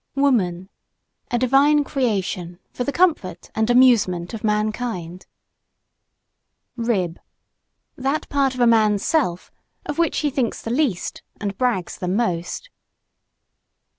WOMAN A divine creation for the comfort and amusement of mankind. RIB That part of man's self of which he thinks the least and brags the most.